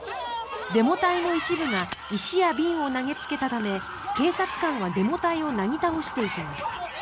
デモ隊の一部が石や瓶を投げつけたため警察官はデモ隊をなぎ倒していきます。